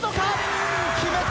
決めた！